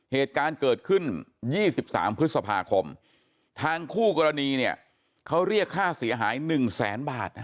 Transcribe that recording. เหตุการณ์เกิดขึ้น๒๓พฤษภาคมทางคู่กรณีเนี่ยเขาเรียกค่าเสียหาย๑แสนบาท